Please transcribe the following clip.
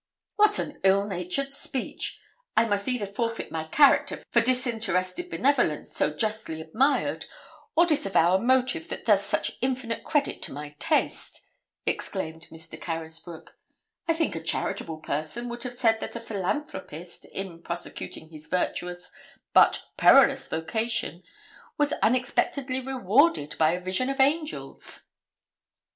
'What an ill natured speech! I must either forfeit my character for disinterested benevolence, so justly admired, or disavow a motive that does such infinite credit to my taste,' exclaimed Mr. Carysbroke. 'I think a charitable person would have said that a philanthropist, in prosecuting his virtuous, but perilous vocation, was unexpectedly rewarded by a vision of angels.'